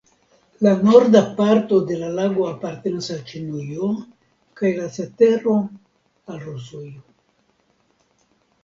La norda parto de la lago apartenas al Ĉinujo kaj la cetero al Rusujo.